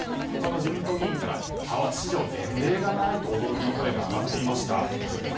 他の自民党議員から派閥史上、前例がないと驚きの声が上がっていました。